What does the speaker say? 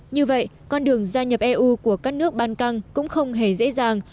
như vậy con đường gia nhập eu của các nước ban căng cũng không hề dễ dàng